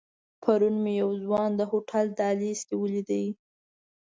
پرون مې یو ځوان د هوټل دهلیز کې ولید.